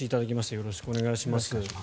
よろしくお願いします。